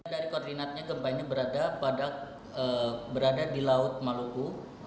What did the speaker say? dari koordinatnya gempa ini berada di laut maluku